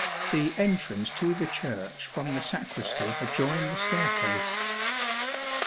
The entrance to the Church from the sacristy adjoined the staircase.